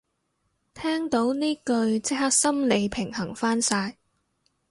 聽到呢句即刻心理平衡返晒